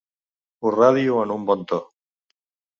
Ho radio en un bon to.